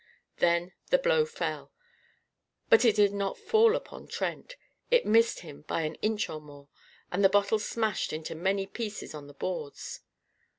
Then the blow fell. But it did not fall upon Trent. It missed him by an inch or more, and the bottle smashed into many pieces on the boards.